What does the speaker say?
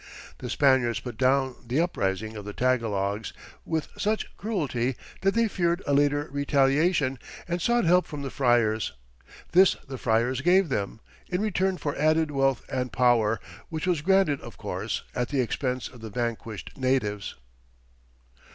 The Spaniards put down this uprising of the Tagalogs with such cruelty that they feared a later retaliation, and sought help from the friars. This the friars gave them, in return for added wealth and power, which was granted, of course, at the expense of the vanquished natives.